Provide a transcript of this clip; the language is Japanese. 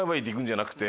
じゃなくて。